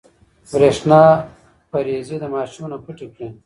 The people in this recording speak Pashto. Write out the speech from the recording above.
برېښنا پريزې د ماشوم نه پټې کړئ.